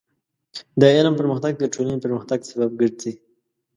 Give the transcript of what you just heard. د علم پرمختګ د ټولنې پرمختګ سبب ګرځي.